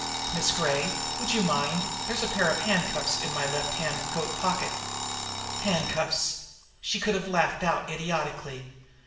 Miss Gray would you mind? there's a pair of handcuffs in my left hand coat pocket." Handcuffs! She could have laughed out idiotically.